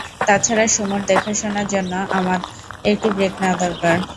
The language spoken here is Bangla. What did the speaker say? তাছাড়া সুমোর দেখাশোনার জন্য আমার একটু ব্রেক নেয়া দরকার।